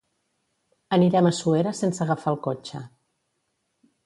Anirem a Suera sense agafar el cotxe.